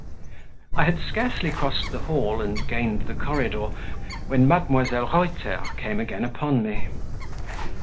I had scarcely crossed the hall and gained the corridor, when Mdlle. Reuter came again upon me.